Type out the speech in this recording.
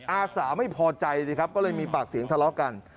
อาสาไม่พอใจสิครับก็เลยมีปากเสียงทะเลาะกัน